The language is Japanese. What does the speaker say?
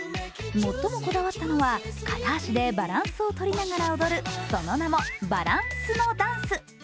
最もこだわったのは、片足でバランスを取りながら踊る、その名もバランすのダンス。